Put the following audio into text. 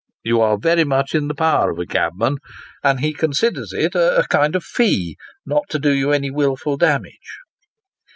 You are very much in the power of a cabman, and he considers it a kind of fee not to do you any wilful damage.